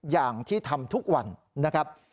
อย่างที่ทำทุกวันนะครับ